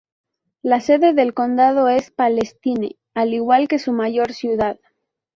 La sede del condado es Palestine, al igual que su mayor ciudad.